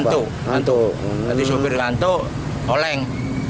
nanti sopir ngantuk oleng